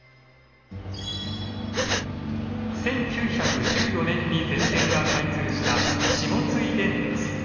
１９１４年に全線が開通した下津井電鉄。